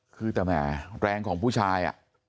คือแต่แหมแรงของผู้ชาย